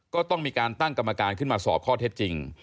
ก็ต้องมีการตั้งกรรมการขึ้นมาสอบข้อเท็จจริง